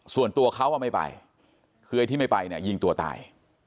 ส่วนตัวเขาไม่ไปคือไอ้ที่ไม่ไปเนี่ยยิงตัวตาย